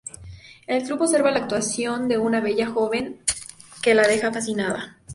En el club observa la actuación de una bella joven que la deja fascinada.